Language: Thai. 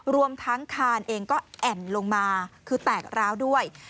รวมทั้งคานเองก็แอ่นลงมาคือแตกร้าวด้วย